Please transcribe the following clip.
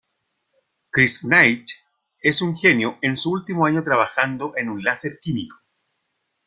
Chris Knight es un genio en su último año trabajando en un láser químico.